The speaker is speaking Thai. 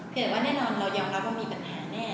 คือแน่นอนเรายอมรับว่ามีปัญหาแน่